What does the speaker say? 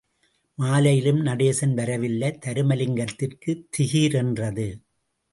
மாலையிலும் நடேசன் வரவில்லை, தருமலிங்கத்திற்குத் திகீர் என்றது.